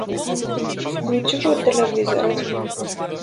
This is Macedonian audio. Вклучи го телевизорот.